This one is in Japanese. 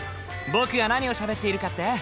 僕が何をしゃべっているかって？